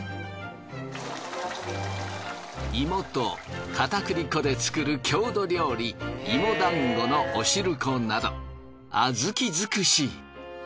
芋と片栗粉で作る郷土料理いもだんごのお汁粉など小豆づくし。